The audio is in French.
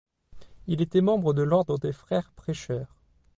Il était membre de l'Ordre des Frères prêcheurs.